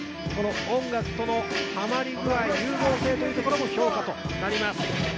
音楽とのはまり具合融合性というところも評価となります。